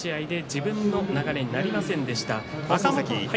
立ち合いで自分の流れになりませんでした。